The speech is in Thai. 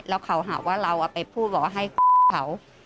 แล้วเขาหาว่าเราเอาไปพูดบอกว่าให้เขา